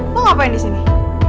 lo ngapain disini